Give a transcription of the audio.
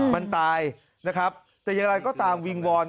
มันตายนะครับแต่อย่างไรก็ตามวิงวอน